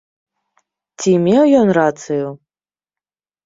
Ці меў ён рацыю?